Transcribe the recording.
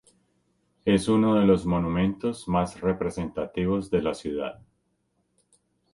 Es uno de los monumentos más representativos de la ciudad.